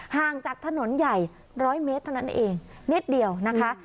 ห่างจากถนนใหญ่๑๐๐เมตรเท่านั้นเองนิดเดียวนะคะ